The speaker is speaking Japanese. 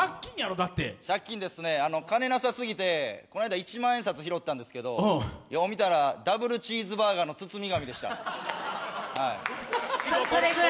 金なさすぎてこの間一万円札拾ったんですけどよう見たら、ダブルチーズバーガーの包み紙でした。